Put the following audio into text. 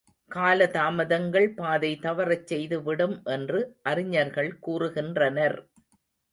காலதாமதங்கள் பாதை தவறச் செய்துவிடும் என்று அறிஞர்கள் கூறுகின்றனர்.